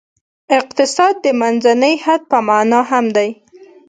اقتصاد د منځني حد په معنا هم دی.